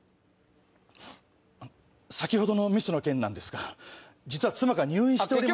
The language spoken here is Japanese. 先ほどのミスの件なんですが実は妻が入院しておりまして。